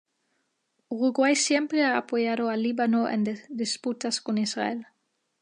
Uruguay siempre ha apoyado al Líbano en disputas con Israel.